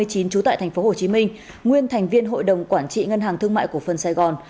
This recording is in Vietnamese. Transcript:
trú tại tp hcm nguyên thành viên hội đồng quản trị ngân hàng thương mại cổ phần sài gòn